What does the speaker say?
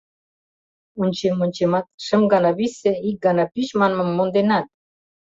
— Ончем-ончемат, «Шым гана висе, ик гана пӱч» манмым монденат?